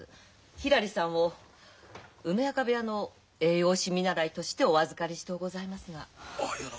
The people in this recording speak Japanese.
ひらりさんを梅若部屋の栄養士見習いとしてお預かりしとうございますが。